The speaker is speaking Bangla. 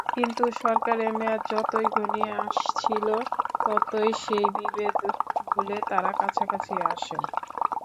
কিন্তু সরকারের মেয়াদ যতই ঘনিয়ে আসছিল, ততই সেই বিভেদ ভুলে তাঁরা কাছাকাছি আসেন।